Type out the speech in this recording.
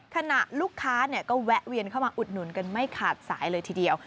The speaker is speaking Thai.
ขณะลูกค้าก็แวะเวียนเข้ามาอุดหนุนกันไม่ขาดสายเลยทีเดียว